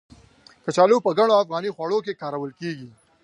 کچالو په ګڼو افغاني خواړو کې کارول کېږي.